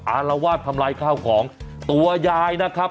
อารวาสทำลายข้าวของตัวยายนะครับ